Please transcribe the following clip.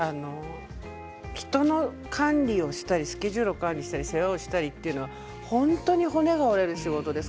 人の管理をしたりスケジュール管理したりというのは本当に骨が折れる仕事です。